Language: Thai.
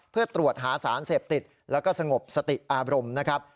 เพื่อตรวจหาสารเสพติดแล้วก็สงบสติอารมณ์นะครับ